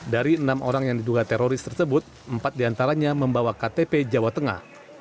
dari enam orang yang diduga teroris tersebut empat diantaranya membawa ktp jawa tengah